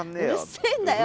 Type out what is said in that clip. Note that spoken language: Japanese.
「うるせえんだよ！」。